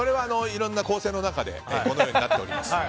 いろんな構成の中でこのようになっております。